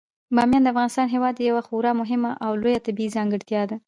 بامیان د افغانستان هیواد یوه خورا مهمه او لویه طبیعي ځانګړتیا ده.